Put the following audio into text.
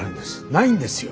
ないんですよ。